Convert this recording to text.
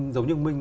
giống như mình